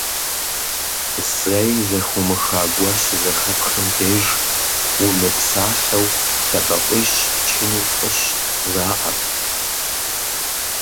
Зэи зэхыумыха зыгуэр щызэхэпхым деж, умыпсалъэу лъэбакъуищ пчыну фӀыщ, жаӀэрт.